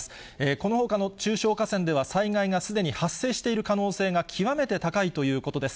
このほかの中小河川では災害がすでに発生している可能性が極めて高いということです。